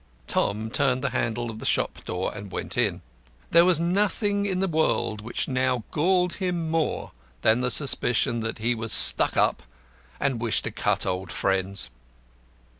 Tom turned the handle of the shop door and went in. There was nothing in the world which now galled him more than the suspicion that he was stuck up and wished to cut old friends.